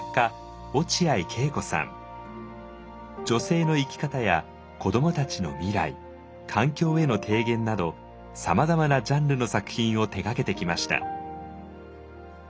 女性の生き方や子どもたちの未来環境への提言などさまざまなジャンルの作品を手がけてきました。